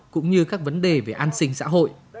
cũng như các vấn đề về an sinh xã hội